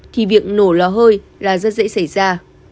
thì việc nổ lò hơi là rất dễ xảy ra